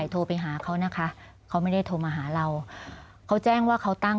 โทรไปหาเขานะคะเขาไม่ได้โทรมาหาเราเขาแจ้งว่าเขาตั้ง